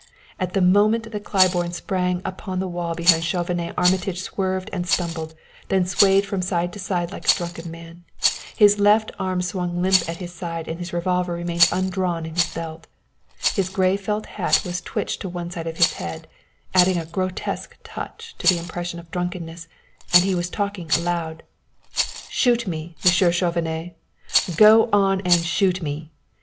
At the moment that Claiborne sprang upon the wall behind Chauvenet Armitage swerved and stumbled, then swayed from side to side like a drunken man. His left arm swung limp at his side, and his revolver remained undrawn in his belt. His gray felt hat was twitched to one side of his head, adding a grotesque touch to the impression of drunkenness, and he was talking aloud: "Shoot me, Mr. Chauvenet. Go on and shoot me!